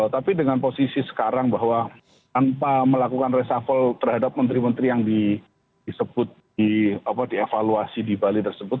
tapi dengan posisi sekarang bahwa tanpa melakukan reshuffle terhadap menteri menteri yang disebut dievaluasi di bali tersebut